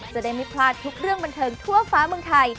จะได้ไม่พลาดทุกเรื่องบันเทิงทั่วฟ้าเมืองไทย